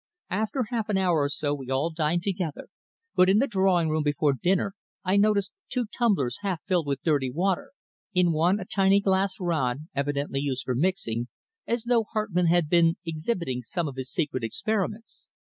After half an hour or so we all dined together, but in the drawing room before dinner I noticed two tumblers half filled with dirty water, in one a tiny glass rod evidently used for mixing, as though Hartmann had been exhibiting some of his secret experiments.